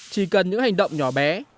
chỉ cần những hành động nhỏ bé